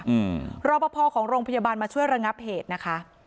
อืมรอปภของโรงพยาบาลมาช่วยระงับเหตุนะคะ